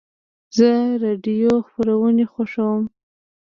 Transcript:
زه د راډیو خپرونې خوښوم.